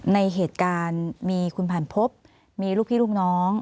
ในเหตุการณ์มีคุณผ่านพบมีลูกพี่ลูกน้อง